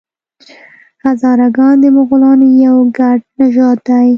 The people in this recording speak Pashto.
هزاره ګان د مغولانو یو ګډ نژاد دی.